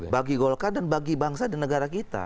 bagi golkar dan bagi bangsa dan negara kita